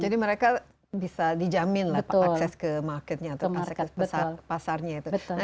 jadi mereka bisa dijamin lah akses ke marketnya atau akses ke pasarnya itu